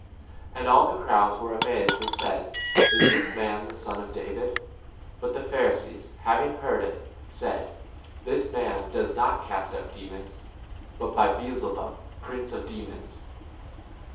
23 And all the crowds were amazed and said, Is this [man] the Son 24 of David ? But the Pharisees, having heard it, said, This [man] does not cast out demons, but by 25 Beelzebub, prince of demons.